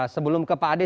sebelum ke pak ade